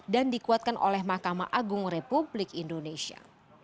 dikuatkan oleh mahkamah agung republik indonesia